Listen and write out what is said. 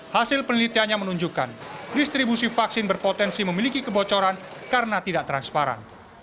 hasil penelitiannya menunjukkan distribusi vaksin berpotensi memiliki kebocoran karena tidak transparan